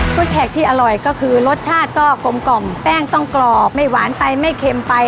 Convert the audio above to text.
แขกที่อร่อยก็คือรสชาติก็กลมกล่อมแป้งต้องกรอบไม่หวานไปไม่เค็มไป